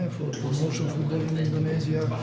untuk promosi bola di indonesia